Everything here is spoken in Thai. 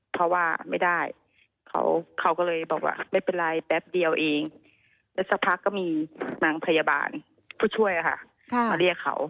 ผู้ช่วยค่ะมาเรียกเขา